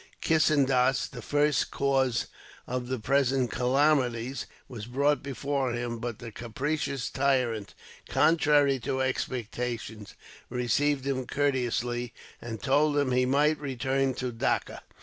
Kissendas, the first cause of the present calamities, was brought before him; but the capricious tyrant, contrary to expectation, received him courteously, and told him he might return to Dacca.